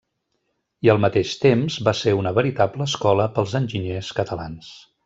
I al mateix temps, va ser una veritable escola pels enginyers catalans.